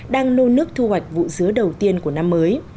đang nôn nước thu hoạch vụ dứa đầu tiên của năm mới